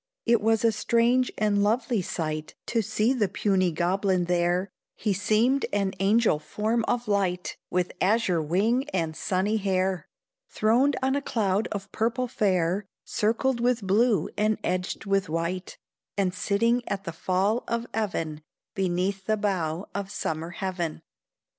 It was a strange and lovely sight To see the puny goblin there; He seemed an angel form of light, With azure wing and sunny hair, Throned on a cloud of purple fair, Circled with blue and edged with white, And sitting at the fall of even Beneath the bow of summer heaven.